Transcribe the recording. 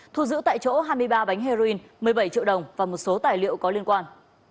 thu giữ tại chỗ hai mươi ba bánh heroin một mươi bảy triệu đồng và một số tài liệu có liên quan